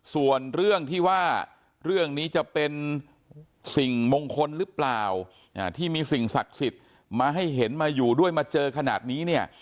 ส่วนเรื่องที่ว่าเรื่องนี้จะเป็นสิ่งมงคลหรือเปล่าที่มีสิ่งศักดิ์สิทธิ์มาให้เห็นมาอยู่ด้วยมาเจอขนาดนี้เนี่ย